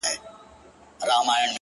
ما د سفر موزې په پښو کړلې له ياره سره”